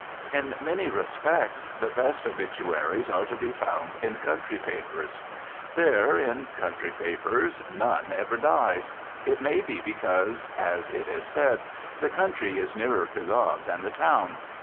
In many respects, the best obituaries are to be found in country papers. There, in country papers, none ever dies. It may be because, as it is said, the country is nearer to God than the town.